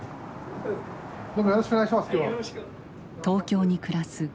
東京に暮らす